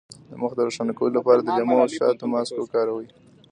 د مخ د روښانه کولو لپاره د لیمو او شاتو ماسک وکاروئ